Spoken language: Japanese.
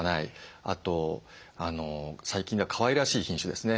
あと最近ではかわいらしい品種ですね。